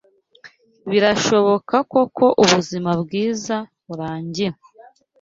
Birashoboka koko ubuzima bwiza burangira